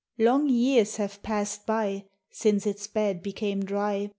235 Long vears have passed by sinee its bed became drv.